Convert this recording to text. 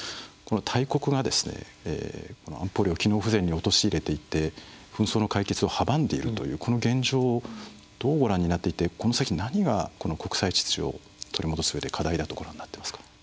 大国が安保理を機能不全に陥れていって、紛争の解決を阻んでいるというこの現状をどうご覧になっていてこの先、何が国際秩序を取り戻すうえで課題だとご覧になっていますか？